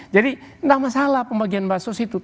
jadi tidak masalah pembagian bahan sos itu